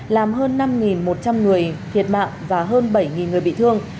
làm hơn năm một trăm linh người thiệt mạng và hơn bảy người bị thương